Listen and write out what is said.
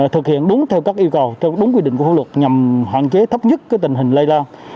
thực hiện đúng theo các yêu cầu đúng quy định của phương luật nhằm hoạn chế thấp nhất tình hình lây lan